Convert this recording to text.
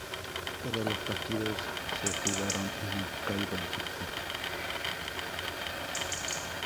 Todos los partidos se jugaron en El Cairo, Egipto.